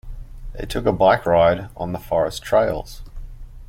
They took a bike ride on the forest trails.